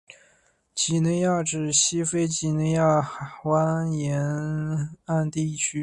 几内亚指西非几内亚湾沿岸地区。